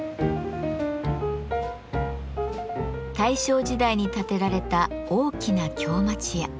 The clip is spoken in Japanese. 大正時代に建てられた大きな京町家。